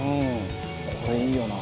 「これいいよな」